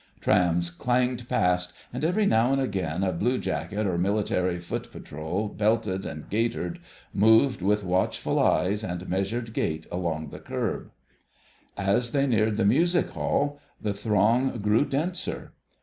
Trams clanged past, and every now and again a blue jacket or military foot patrol, belted and gaitered, moved with watchful eyes and measured gait along the kerb. As they neared the music hall the throng grew denser.